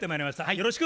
よろしく。